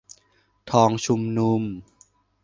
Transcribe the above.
ทองชุมนุม